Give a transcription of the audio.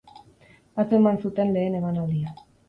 Atzo eman zuten lehen emanaldia.